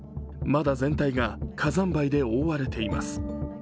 まだ全体が火山灰で覆われています。